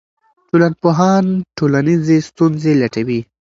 ټولنپوهان ټولنیزې ستونزې لټوي.